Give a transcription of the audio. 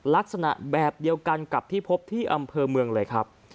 ลักษณะแบบเดียวกันกับที่พบที่อำเภอเมืองเลยครับ